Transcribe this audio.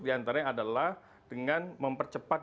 diantara adalah dengan mempercepat